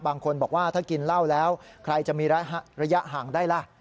บางคนบอกว่าถ้ากินเหล้าแล้วใครจะมีระยะห่างได้ล่ะ